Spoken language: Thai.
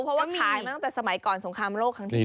เพราะว่าขายมาตั้งแต่สมัยก่อนสงครามโลกครั้งที่